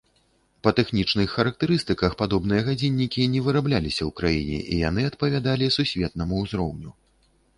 Па тэхнічных характарыстыках падобныя гадзіннікі не вырабляліся ў краіне і яны адпавядалі сусветнаму ўзроўню.